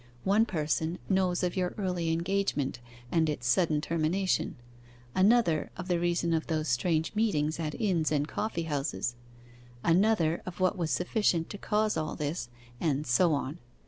One person knows of your early engagement and its sudden termination; another, of the reason of those strange meetings at inns and coffee houses; another, of what was sufficient to cause all this, and so on.